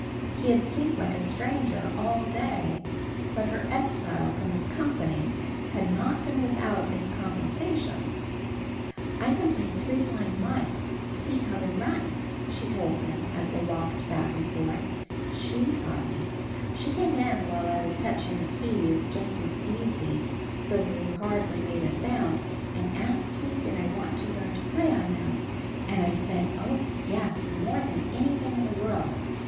He had seemed like a stranger all day. But her exile from his company had not been without its compensations. "I can play 'Three Blind Mice! See how they run!'" she told him as they rocked back and forth. "She taught me. She came in while I was touching the keys just as easy, so they hardly made a sound, and asked me did I want to learn to play on them. And I said oh, yes, more than anything in the world.